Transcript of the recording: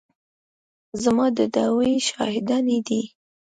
زما د دعوې شاهدانې دي.